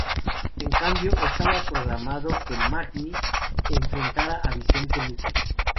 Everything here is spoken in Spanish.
En cambio, estaba programado que Magny enfrentara a Vicente Luque.